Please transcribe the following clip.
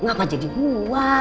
ngapain jadi gua